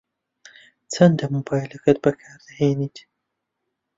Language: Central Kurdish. چەندە مۆبایلەکەت بەکار دەهێنیت؟